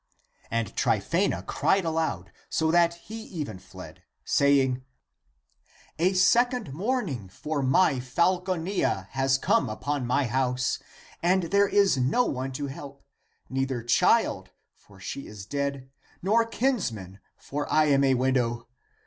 And Tryphsena cried aloud, so that he even fled, saying ;" A second mourning for my Falconilla has come upon my house, and there is no one to help ; neither child, for she is dead, nor kinsman, for I am a widow.